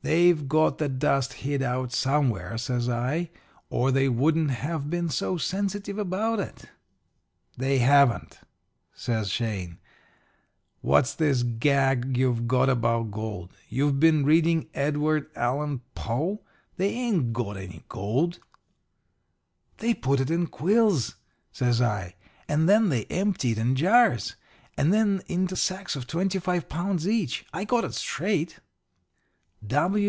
"'They've got the dust hid out somewhere,' says I, 'or they wouldn't have been so sensitive about it.' "'They haven't,' says Shane. 'What's this gag you've got about gold? You been reading Edward Allen Poe? They ain't got any gold.' "'They put it in quills,' says I, 'and then they empty it in jars, and then into sacks of twenty five pounds each. I got it straight.'